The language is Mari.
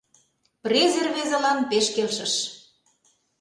Презе рвезылан пеш келшыш.